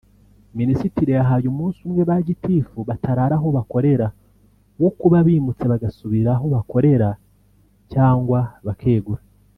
Minisitiri yahaye umunsi umwe ba gitifu batarara aho bakorera wo kuba bimutse bagasubira aho bakorera cyangwa bakegura